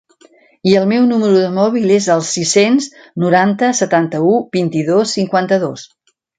I el meu número de mòbil és el sis-cents noranta setanta-u vint-i-dos cinquanta-dos.